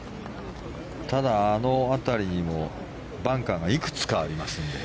ただ、あの辺りにもバンカーがいくつかあります。